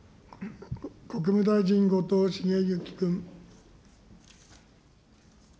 国務大臣、後藤茂之君。